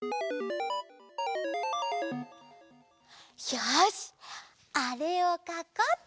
よしあれをかこうっと！